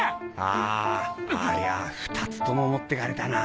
あありゃ２つとも持ってかれたなぁ。